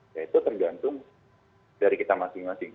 ya itu tergantung dari kita masing masing